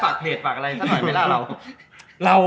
ฝากเพจฝากอะไรหน่อยไม่ล่ะเรา